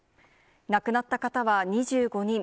亡くなった方は２５人。